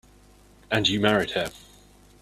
And you married her.